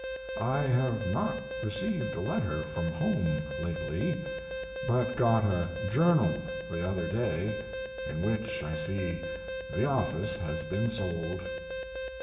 I have not received a letter from home lately, but got a "Journal" the other day, in which I see the office has been sold....